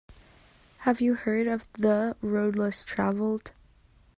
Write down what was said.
Have you heard of The Road Less Travelled?